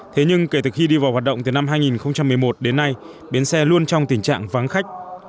thế nhưng kể từ khi đi vào hoạt động từ năm hai nghìn một mươi một đến nay bến xe luôn trong tình trạng vắng khách